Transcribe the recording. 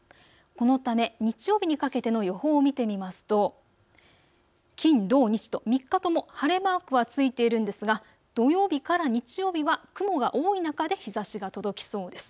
このため日曜日にかけての予報を見てみますと金土日と３日とも晴れマークはついているんですが土曜日から日曜日は雲が多い中で日ざしが届きそうです。